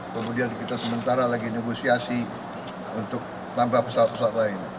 kemudian kita sementara lagi negosiasi untuk tambah pesawat pesawat lain